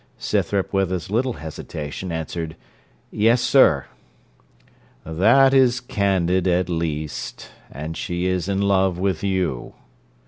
Scythrop, with as little hesitation, answered, 'Yes, sir.' 'That is candid, at least; and she is in love with you.'